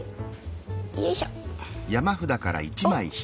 よいしょ。